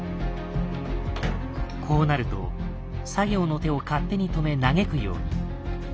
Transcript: こうなると作業の手を勝手に止め嘆くように。